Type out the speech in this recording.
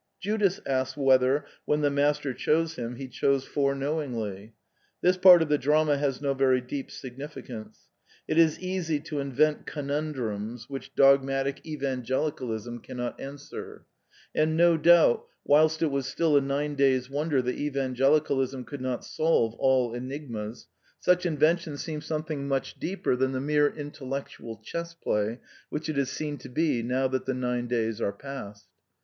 Judas asks whether, when the Master chose him, he chose foreknowingly. This part of the drama has no very deep significance. It is easy to invent conundrums which dogmatic The Plays 65 evangelicalism cannot answer; and no doubt, whilst it was still a nine days' wonder that evangelicalism could not solve all enigmas, such invention seemed something much deeper than the mere intellectual chess play which it is seen to be now that the nine days are past.